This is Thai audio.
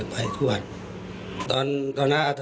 ฝ่ายกรเหตุ๗๖ฝ่ายมรณภาพกันแล้ว